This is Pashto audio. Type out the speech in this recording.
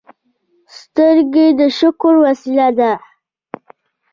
سترګې د شکر وسیله ده